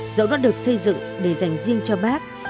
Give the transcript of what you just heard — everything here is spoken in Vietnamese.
dẫu đã được xây dựng để dành riêng cho bác